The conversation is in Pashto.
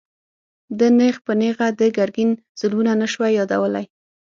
ده نېغ په نېغه د ګرګين ظلمونه نه شوای يادولای.